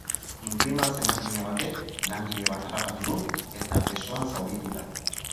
Inprimatze makina batek langile bat harrapatu du eta besoan zauritu da.